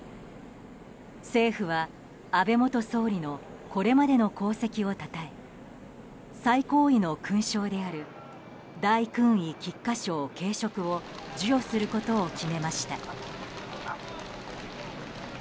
政府は安倍元総理のこれまでの功績をたたえ最高位の勲章である大勲位菊花章頸飾を授与することを決めました。